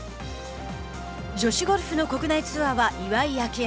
女子ゴルフの国内ツアーは岩井明愛。